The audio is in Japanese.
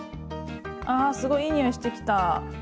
ああすごいいい匂いしてきた！